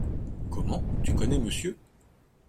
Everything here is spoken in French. Comment, tu connais monsieur ?